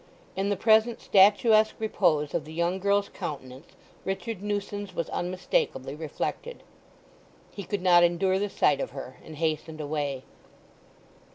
In the present statuesque repose of the young girl's countenance Richard Newson's was unmistakably reflected. He could not endure the sight of her, and hastened away.